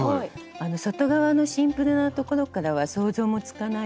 外側のシンプルなところからは想像もつかないような。